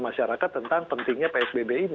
masyarakat tentang pentingnya psbb ini